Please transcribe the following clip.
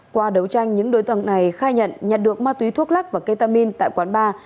qua đấu tranh những đối tượng này khai nhận nhặt được ma túy thuốc lắc và ketamin tại quán bar